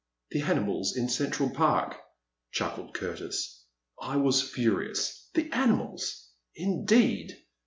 The animals in Central Park," chuckled Curtis. I was furious. The animals ! Indeed